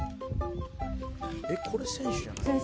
「えっこれ選手じゃない？」